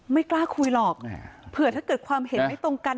ไม่กล้าคุยหรอกเผื่อถ้าเกิดความเห็นไม่ตรงกัน